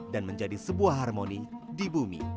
dan menjadi sebuah harmoni di bumi